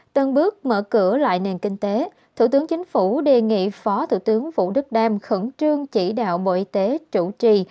tân bước mở cửa lại nền kinh tế thủ tướng chính phủ đề nghị phó thủ tướng vũ đức đam khẩn trương chỉ đạo bộ y tế chủ trì